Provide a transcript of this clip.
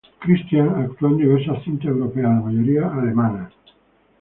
Christians actuó en diversas cintas europeas, la mayoría alemanas.